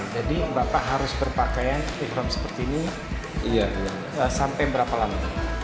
jadi bapak harus berpakaian ikhram seperti ini sampai berapa lama